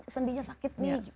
sendinya sakit banget